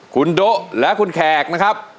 คุณโด๊ะและคุณแขกนะครับ